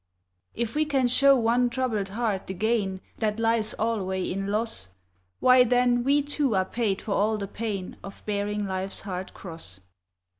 If we can show one troubled heart the gain, That lies alway in loss, Why then, we too, are paid for all the pain Of bearing life's hard cross.